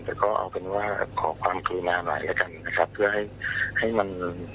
แต่ก็เอาเป็นว่าขอความกรุณาหน่อยแล้วกันนะครับเพื่อให้ให้มัน